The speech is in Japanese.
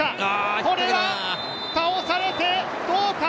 これは倒されて、どうか？